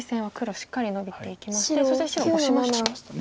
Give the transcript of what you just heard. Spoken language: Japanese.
そして白オシましたね。